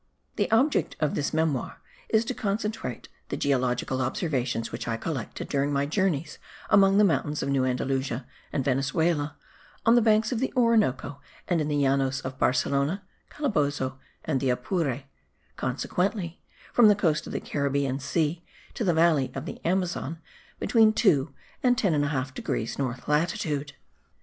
The object of this memoir is to concentrate the geological observations which I collected during my journeys among the mountains of New Andalusia and Venezuela, on the banks of the Orinoco and in the Llanos of Barcelona, Calabozo and the Apure; consequently, from the coast of the Caribbean Sea to the valley of the Amazon, between 2 and 10 1/2 degrees north latitude.